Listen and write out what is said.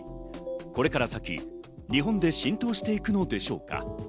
これから先、日本で浸透していくのでしょうか？